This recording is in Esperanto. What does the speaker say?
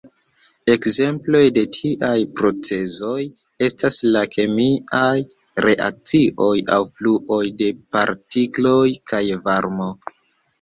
Ekzemploj de tiaj procezoj estas la kemiaj reakcioj aŭ fluoj de partikloj kaj varmo.